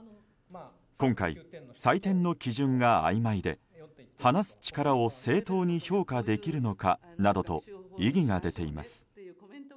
今回、採点の基準があいまいで話す力を正当に評価できるのかなどと異議が出ています。